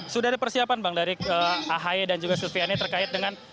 sudah ada persiapan bang dari ahy dan juga silviani terkait dengan